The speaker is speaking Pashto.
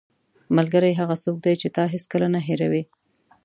ملګری هغه څوک دی چې تا هیڅکله نه هېروي.